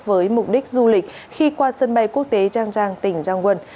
với mục đích du lịch khi qua sân bay quốc tế trang trang tỉnh giang quân